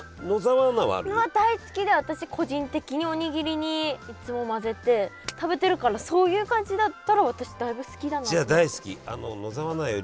大好きで私個人的におにぎりにいつも混ぜて食べてるからそんな感じだったかな。